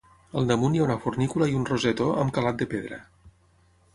Al damunt hi ha una fornícula i un rosetó amb calat de pedra.